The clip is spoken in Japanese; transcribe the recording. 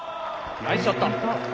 ナイスショット。